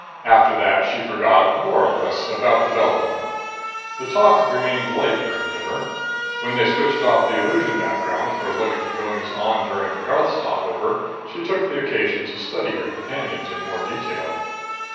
After that she forgot, more or less, about the Beldon. The talk remained light during dinner. When they switched off the illusion background for a look at the goings on during the Garth stopover, she took the occasion to study her companions in more detail.